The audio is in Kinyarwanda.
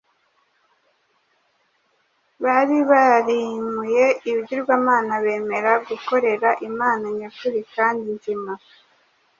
bari barimuye ibigirwamana bemera gukorera Imana nyakuri kandi nzima.”